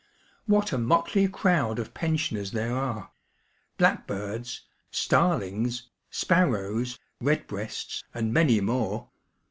What a motley crowd of pensioners there are ŌĆö blackbirds, starlings, sparrows, redbreasts, and many more